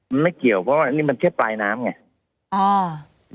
มันไม่เกี่ยวเพราะว่านี่มันแค่ปลายน้ำไง